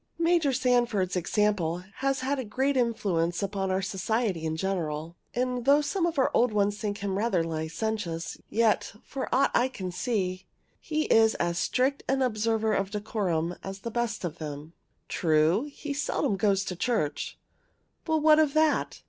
Major Sanford's example has had great influence upon our society in general; and though some of our old ones think him rather licentious, yet, for aught I can see, he is as strict an observer of decorum as the best of them. True, he seldom goes to church; but what of that?